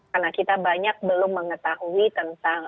karena kita banyak belum mengetahui tentang penyakit hepatitis